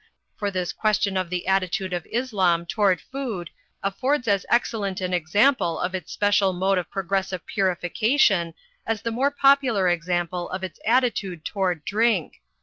For this question of the attitude of Islam toward food affords as excellent an example of its special mode of progressive purification as the more popular example of its attitude toward drink.